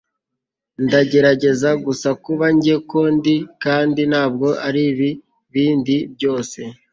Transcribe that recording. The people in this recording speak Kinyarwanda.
ndagerageza gusa kuba njye ko ndi kandi ntabwo aribi bindi byose